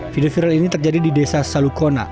video viral ini terjadi di desa salukona